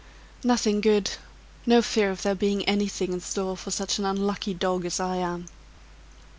"Nothing good; no fear of there being anything in store for such an unlucky dog as I am."